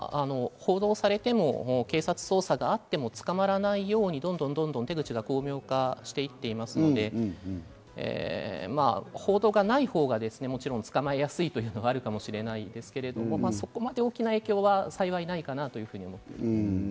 報道されても、警察捜査があっても捕まらないように、どんどん手口が巧妙化していっていますので、報道がない方がもちろん捕まえやすいっていうのはあるかもしれないんですけれども、そこまで大きな影響は幸いないかなと思っています。